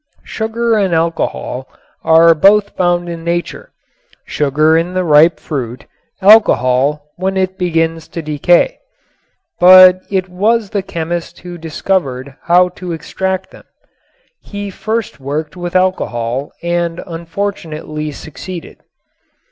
Sugar and alcohol are both found in Nature; sugar in the ripe fruit, alcohol when it begins to decay. But it was the chemist who discovered how to extract them. He first worked with alcohol and unfortunately succeeded.